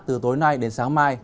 từ tối nay đến sáng mai